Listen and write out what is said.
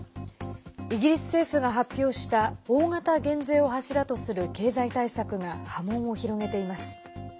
イギリス政府が発表した大型減税を柱とする経済対策が波紋を広げています。